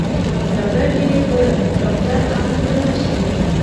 په ملاکنډ یې په ډاکټر امن دمه شي.